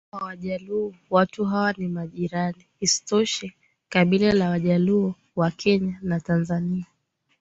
wa Wajaluo watu hawa ni majirani Isitoshe kabila la Wajaluo wa Kenya na Tanzania